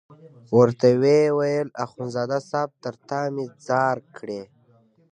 ورته ویې ویل اخندزاده صاحب تر تا مې ځار کړې.